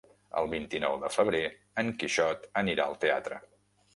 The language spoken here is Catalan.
El vint-i-nou de febrer en Quixot anirà al teatre.